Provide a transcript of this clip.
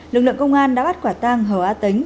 lực lượng công an đã bắt quả tang hờ a tính